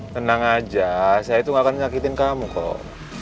tenang aja saya tuh gak akan nyakitin kamu kok